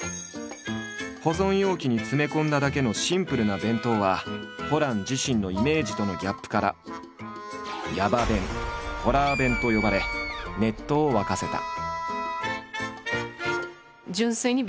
保存容器に詰め込んだだけのシンプルな弁当はホラン自身のイメージとのギャップから「ヤバ弁」「ホラー弁」と呼ばれネットを沸かせた。